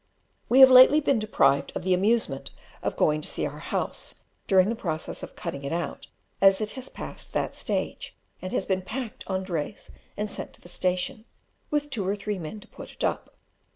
We have lately been deprived of the amusement of going to see our house during the process of cutting it out, as it has passed that stage, and has been packed on drays and sent to the station, with two or three men to put it up.